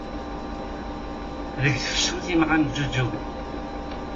Deg tefsut imɣan ǧǧuǧugen.